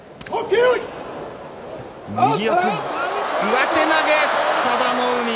上手投げ、佐田の海。